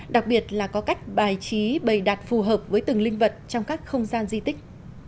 đặc biệt là có cách bài trí bày đạt phù hợp với từng linh vật trong các không gian di tích